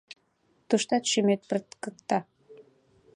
Туштат шӱмет пырткыкта.